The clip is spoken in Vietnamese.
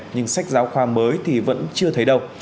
nhưng sách giáo khoa mới thì vẫn chưa thấy đâu